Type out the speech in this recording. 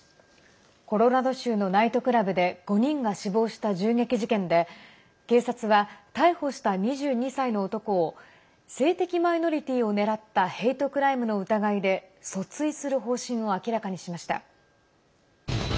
コロラド州のナイトクラブで５人が死亡した銃撃事件で警察は、逮捕した２２歳の男を性的マイノリティーを狙ったヘイトクライムの疑いで訴追する方針を明らかにしました。